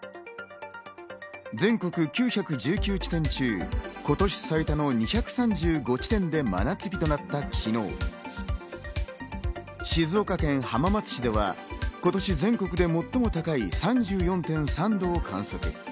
全国９１９地点中、今年最多の２３５地点で真夏日となった昨日、静岡県浜松市では今年全国で最も高い３４．３度を観測。